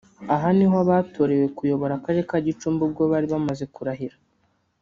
Aha niho abatorewe kuyobora Akarere ka Gicumbi ubwo bari bamaze kurahira